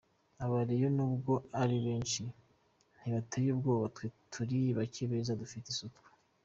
Aba rayon nubwo ari benshi ntibateye ubwoba, Twe turi bake beza, bafite isuku.